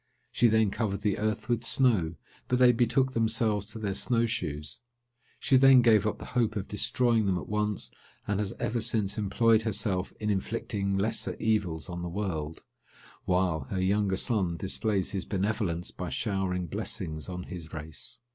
She then covered the earth with snow; but they betook themselves to their snow shoes. She then gave up the hope of destroying them at once, and has ever since employed herself in inflicting lesser evils on the world, while her younger son displays his benevolence by showering blessings on his race.